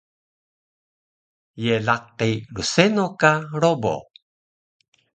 Ye laqi rseno ka Robo?